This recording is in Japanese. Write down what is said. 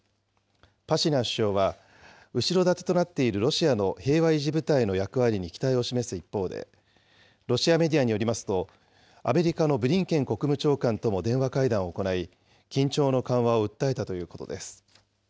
パシニャン首相は、後ろ盾となっているロシアの平和維持部隊の役割に期待を示す一方で、ロシアメディアによりますと、アメリカのブリンケン国務長官とも電話会談を行い、緊張の緩和を訴えたということです。